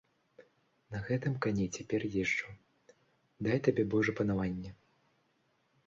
На гэтым кані цяпер езджу, дай табе божа панаванне.